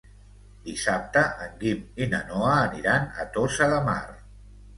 Dissabte en Guim i na Noa aniran a Tossa de Mar.